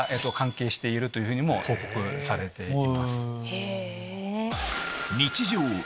へぇ。